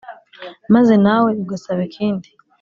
maze nawe ugasaba ikindi"